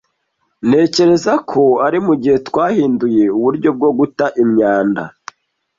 Ntekereza ko ari mugihe twahinduye uburyo bwo guta imyanda.